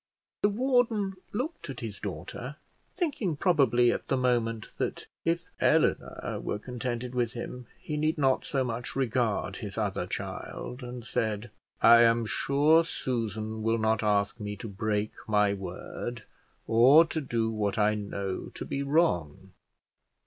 The warden looked at his daughter, thinking probably at the moment that if Eleanor were contented with him, he need not so much regard his other child, and said, "I am sure Susan will not ask me to break my word, or to do what I know to be wrong."